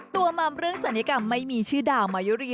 มัมเรื่องศัลยกรรมไม่มีชื่อดาวมายุรี